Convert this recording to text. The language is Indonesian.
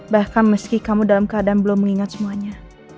bahkan meski kamu dalam keadaan belum mengingat semuanya